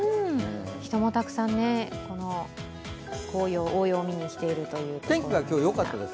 人もたくさん、この紅葉を見に来ているということです。